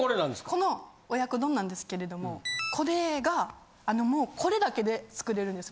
この親子丼なんですけれどもこれがこれだけで作れるんです。